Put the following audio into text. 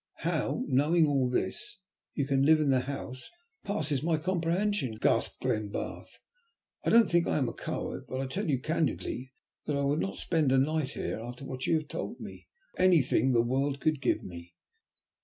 "How, knowing all this, you can live in the house passes my comprehension," gasped Glenbarth. "I don't think I am a coward, but I tell you candidly that I would not spend a night here, after what you have told me, for anything the world could give me."